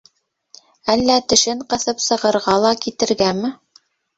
Әллә тешен ҡыҫып сығырға ла китергәме?